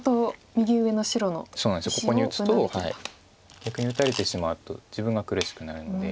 逆に打たれてしまうと自分が苦しくなるので。